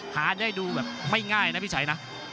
หาได้ดูแบบไม่ง่ายนะพี่ชัยนะ